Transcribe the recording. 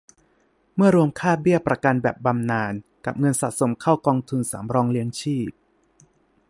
เมื่อรวมค่าเบี้ยประกันแบบบำนาญกับเงินสะสมเข้ากองทุนสำรองเลี้ยงชีพ